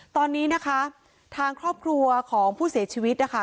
ตอนนี้นะคะทางครอบครัวของผู้เสียชีวิตนะคะ